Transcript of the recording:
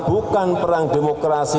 bukan perang demokrasi